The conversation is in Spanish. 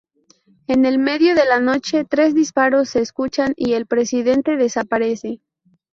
En el medio de la noche, tres disparos se escuchan, y el presidente desaparece.